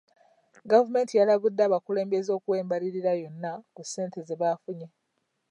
Gavumenti yalabudde abakulembeze okuwa embalirira yonna ku ssente ze baafunye.